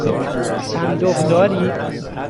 صندوق دارید؟